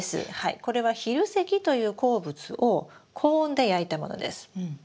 これは蛭石という鉱物を高温で焼いたものです。